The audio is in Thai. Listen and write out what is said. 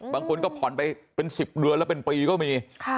บางคนก็ผ่อนไปเป็น๑๐เดือนแล้วเป็นปีก็มี